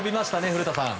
古田さん！